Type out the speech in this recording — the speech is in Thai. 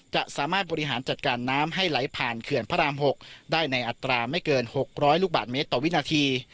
จะสามารถบริหารจัดการน้ำให้ไหลผ่านเขื่อนพระราม๖ได้ในอัตราไม่เกิน๖๐๐ลูกบาทเมตรต่อวินาที